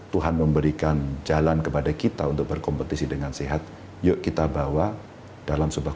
tuhan memberikan jalan kepada kita untuk berkompetisi dengan sehat yuk kita bawa dalam sebuah